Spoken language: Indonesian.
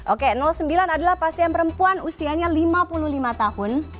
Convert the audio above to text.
oke sembilan adalah pasien perempuan usianya lima puluh lima tahun